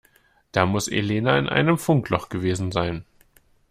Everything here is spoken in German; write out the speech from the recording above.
Da muss Elena in einem Funkloch gewesen sein.